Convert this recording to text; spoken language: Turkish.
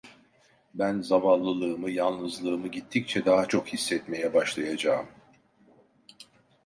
Ben zavallılığımı, yalnızlığımı gittikçe daha çok hissetmeye başlayacağım…